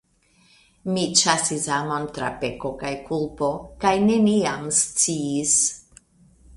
Mi ĉasis amon tra peko kaj kulpo, kaj neniam sciis.